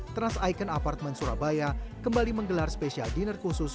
trans icon apartemen surabaya kembali menggelar special dinner khusus